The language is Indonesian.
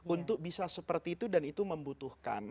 untuk bisa seperti itu dan itu membutuhkan